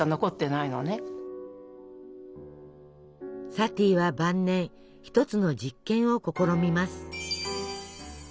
サティは晩年一つの実験を試みます。